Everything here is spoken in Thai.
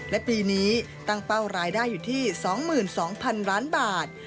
และปีนี้ตั้งเป้ารายได้อยู่ที่๒๒๐๐๐ล้านบาท